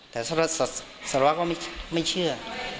แต่สารวะก็ไม่เชื่อ